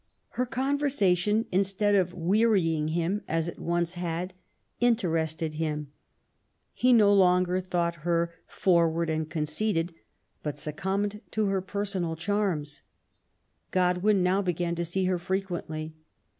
Her conversation, instead of wearying him, as it once had, interested him. He no longer thought her for / y 182 MABY W0LL8T0NEGEAFT GODWIN. ■ ward and conceited^ but succumbed to her personal charms. Godwin now began to see her frequently.